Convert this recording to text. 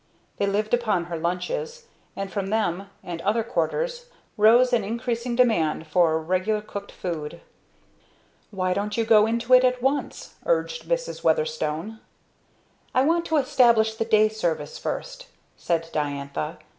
They lived upon her lunches; and from them, and other quarters, rose an increasing demand for regular cooked food. "Why don't you go into it at once?" urged Mrs. Weatherstone. "I want to establish the day service first," said Diantha.